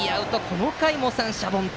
この回も三者凡退。